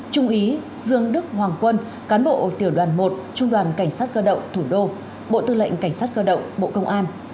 trung úy dương đức hoàng quân cán bộ tiểu đoàn một trung đoàn cảnh sát cơ động thủ đô bộ tư lệnh cảnh sát cơ động bộ công an